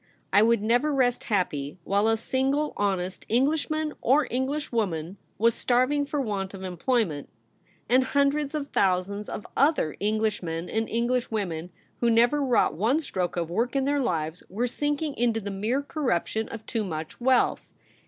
I would never rest happy while a single honest Englishman or Englishwoman was starving for want of employment, and hundreds of 'IF YOU WERE QUEEN J S? thousands of other EngHshmen and English women who never wrought one stroke of work in their Hves were sinking into the mere corruption of too much wealth.